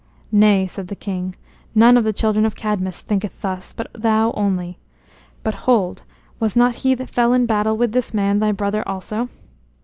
"Nay," said the king, "none of the children of Cadmus thinketh thus, but thou only. But, hold, was not he that fell in battle with this man thy brother also?"